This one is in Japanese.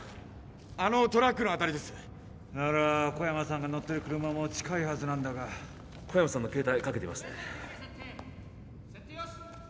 あのトラックの辺りですなら小山さんが乗ってる車も近いはずなんだが小山さんの携帯かけてみますね